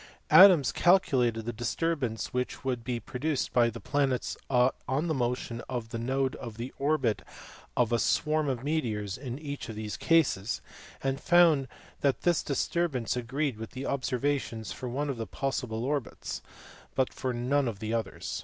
Adams calculated the disturbance which would be produced by the planets on the motion of the node of the orbit of a swarm of meteors in each of these cases, and found that this dis turbance agreed with observation for one of the possible orbits, but for none of the others.